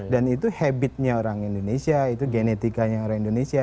dan itu habitnya orang indonesia itu genetikanya orang indonesia